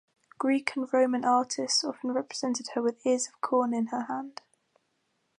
Greek and Roman artists often represented her with ears of corn in her hand.